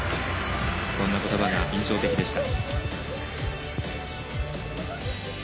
そんな言葉が印象的でした。